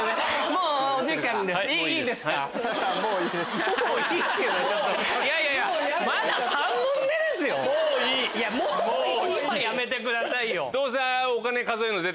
「もういい」はやめてくださいよ。